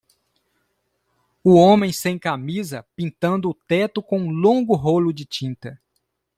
Um homem sem camisa, pintando o teto com um longo rolo de tinta.